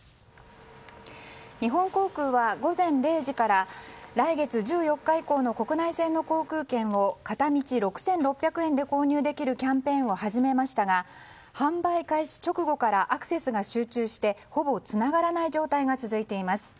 日本航空は午前０時から来月１４日以降の国内線の航空券を片道６６００円で購入できるキャンペーンを始めましたが販売開始直後からアクセスが集中してほぼつながらない状態が続いています。